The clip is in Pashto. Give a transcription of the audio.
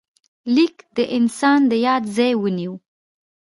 لیک د انسان د یاد ځای ونیو.